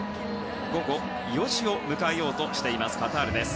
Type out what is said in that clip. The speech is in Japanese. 午後４時を迎えようとしていますカタールです。